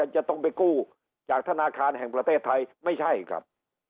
จะต้องไปกู้จากธนาคารแห่งประเทศไทยไม่ใช่ครับ